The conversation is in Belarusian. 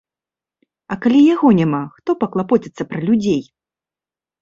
А калі яго няма, хто паклапоціцца пра людзей?